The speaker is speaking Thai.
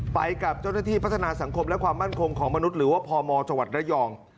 ไปกับเจ้าหน้าที่พัฒนาสังคมและความมั่นคงของมนุษย์หรือว่าพมจังหวัดระยอง